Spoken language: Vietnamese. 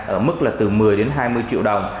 ở mức từ một mươi hai mươi triệu đồng